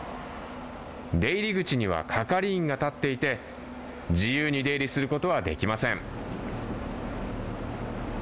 出入り口には係員が立っていて自由に出入りすることはできません。